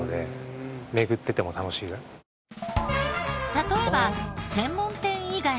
例えば専門店以外にも。